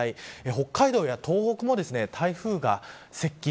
北海道や東北も台風が接近。